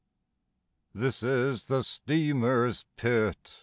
"This is the steamer's pit.